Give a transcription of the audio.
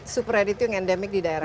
super red itu yang endemik di daerah ini